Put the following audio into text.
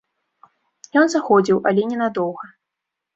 Ён заходзіў, але ненадоўга.